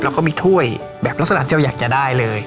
แล้วก็มีถ้วยแบบลาศนาเซลท์ชาวใหญ่จะได้เลย